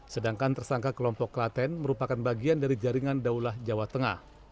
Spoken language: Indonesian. sedangkan tersangka kelompok klaten merupakan bagian dari jaringan daulah jawa tengah